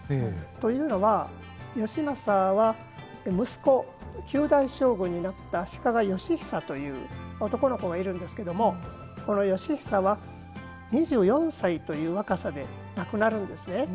というのは、義政は息子、９代将軍になった足利義尚という男の子がいるんですけどこの義尚は２４歳という若さで亡くなるんですね。